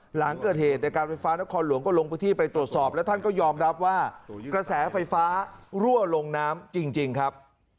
หลังเกิดเหตุในการไฟฟ้านครหลวงก็ลงพื้นที่ไปตรวจสอบแล้วท่านก็ยอมรับว่ากระแสไฟฟ้ารั่วลงน้ำจริงครับ